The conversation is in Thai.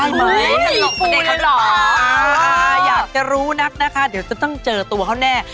อยากจะรู้นักนะคะเดี๋ยวจะต้องเจอตัวเขาแน่